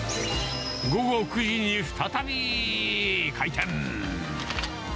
午後９時に再び開店。